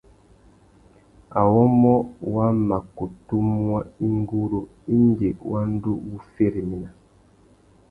Awômô wa mà kutu muá ingurú indi wa ndú wu féréména.